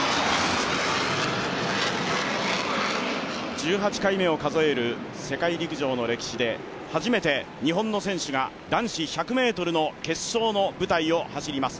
１８回目を数える世界陸上の歴史で初めて日本の選手が男子１００ｍの決勝の舞台を走ります。